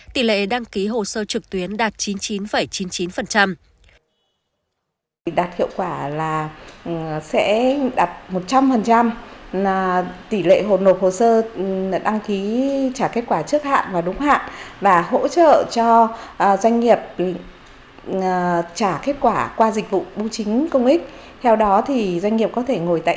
tỷ lệ đăng ký hồ sơ trực tuyến đạt chín mươi chín chín mươi chín